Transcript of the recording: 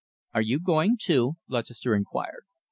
"Are you going too?" Lutchester inquired.